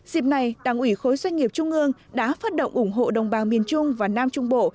dịp này đảng ủy khối doanh nghiệp trung ương đã phát động ủng hộ đồng bào miền trung và nam trung bộ